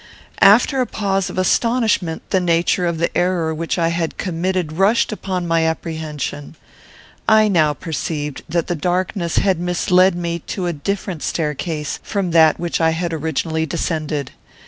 After a pause of astonishment, the nature of the error which I had committed rushed upon my apprehension. I now perceived that the darkness had misled me to a different staircase from that which I had originally descended.